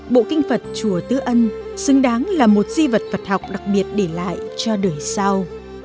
bộ kinh phật chùa tứ ân xứng đáng là một di vật học đặc biệt để lại cho đời sau